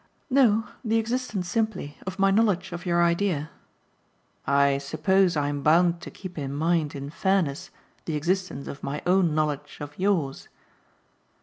"No; the existence simply of my knowledge of your idea." "I suppose I'm bound to keep in mind in fairness the existence of my own knowledge of yours."